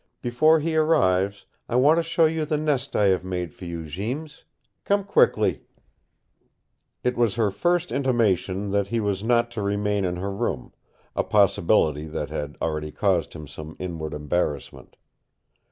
Before he arrives, I want to show you the nest I have made for you, Jeems. Come quickly!" It was her first intimation that he was not to remain in her room, a possibility that had already caused him some inward embarrassment.